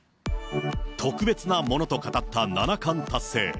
特別なものと語った七冠達成。